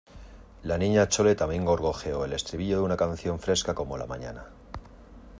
la Niña Chole también gorjeó el estribillo de una canción fresca como la mañana.